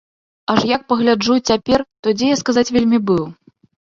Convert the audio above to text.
Аж, як пагляджу цяпер, то дзе я, сказаць, вельмі быў?